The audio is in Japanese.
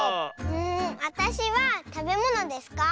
わたしはたべものですか？